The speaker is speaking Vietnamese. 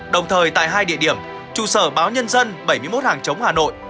đồng thời tại hai địa điểm trụ sở báo nhân dân bảy mươi một hàng chống hà nội